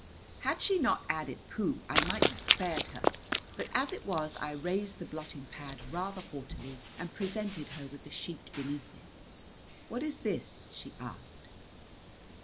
Had she not added Pooh I might have spared her, but as it was I raised the blotting pad rather haughtily and presented her with the sheet beneath it. "What is this?" she asked.